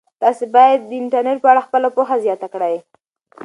تاسي باید د انټرنيټ په اړه خپله پوهه زیاته کړئ.